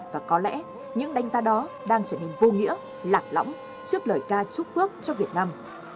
và có lẽ những đánh giá đó đang trở nên vô nghĩa lạc lõng trước lời ca chúc phước cho việt nam